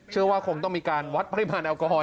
เชื่อว่าคงต้องมีการวัดปริมาณแอลกอฮอล